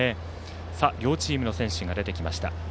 両チームの選手が出てきました。